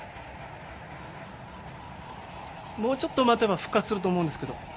もうちょっと待てば復活すると思うんですけど。